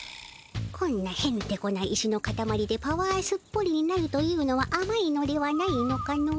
こんなへんてこな石のかたまりでぱわーすっぽりになるというのはあまいのではないのかの？